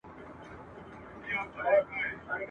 انعکلس ورکوي !.